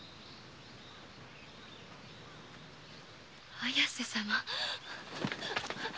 綾瀬様。